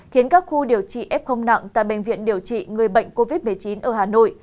khiến các khu điều trị f nặng tại bệnh viện điều trị người bệnh covid một mươi chín ở hà nội